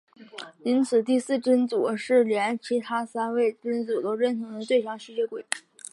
因此第四真祖是连其他三位真祖都认同的最强吸血鬼。